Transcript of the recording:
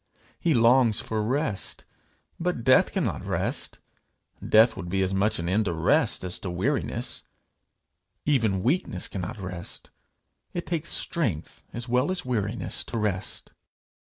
He longs for rest, but death cannot rest; death would be as much an end to rest as to weariness: even weakness cannot rest; it takes strength as well as weariness to rest.